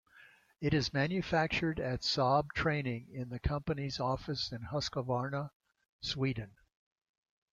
It is manufactured at Saab Training in the company's office in Husqvarna, Sweden.